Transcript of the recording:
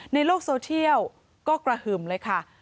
ในโลกโซเชียลก็กระหึ่มเลยค่ะ